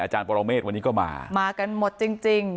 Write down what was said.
อาจารย์ปราวเมฆวันนี้ก็มามากันหมดจริงจริง